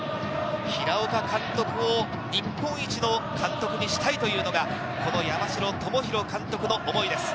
平岡監督を日本一の監督にしたいというのが山城朋大監督の思いです。